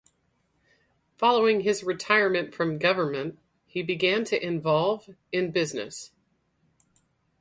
Following his retirement from government he began to involve in business.